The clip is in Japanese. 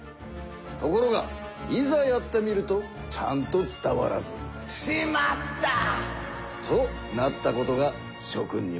ところがいざやってみるとちゃんと伝わらず「しまった！」となったことがしょ君にもあるのではないか。